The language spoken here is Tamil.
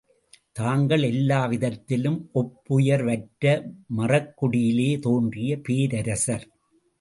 தாங்கள் எல்லா விதத்திலும் ஒப்புயர்வற்ற மறக்குடியிலே தோன்றிய பேரரசர்.